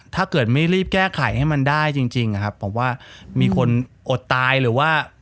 ถ้าเกิดไม่รีบแก้ไขให้มันได้จริงอะครับผมว่ามีคนอดตายหรือว่า